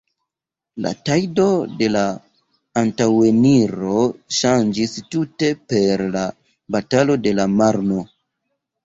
La tajdo de la antaŭeniro ŝanĝis tute per la Batalo de la Marno.